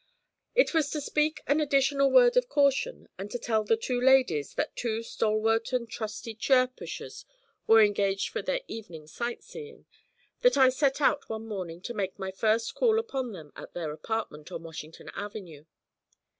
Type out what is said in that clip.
It was to speak an additional word of caution, and to tell the two ladies that two stalwart and trusty chair pushers were engaged for their evening sight seeing, that I set out one morning to make my first call upon them at their apartment on Washington Avenue.